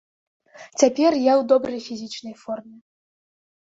Цяпер я ў добрай фізічнай форме.